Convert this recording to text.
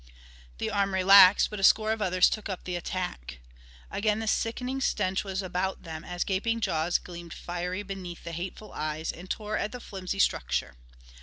The arm relaxed, but a score of others took up the attack. Again the sickening stench was about them as gaping jaws gleamed fiery beneath the hateful eyes and tore at the flimsy structure.